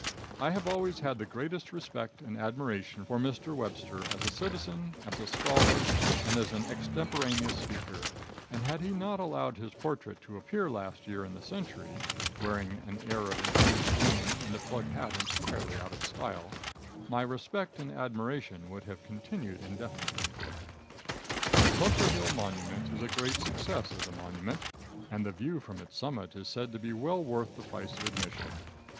I have always had the greatest respect and admiration for Mr. Webster as a citizen, as a scholar and as an extemporaneous speaker, and had he not allowed his portrait to appear last year in the Century, wearing an air of intense gloom and a plug hat entirely out of style, my respect and admiration would have continued indefinitely. Bunker Hill monument is a great success as a monument, and the view from its summit is said to be well worth the price of admission.